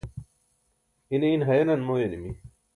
ine in hayanan mooyanimi